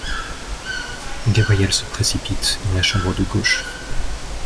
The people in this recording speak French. Gabriel se précipite dans la chambre de gauche.